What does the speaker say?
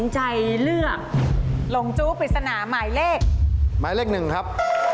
เชื่อเพื่อนครับ